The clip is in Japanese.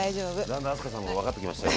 だんだん明日香さんを分かってきましたよ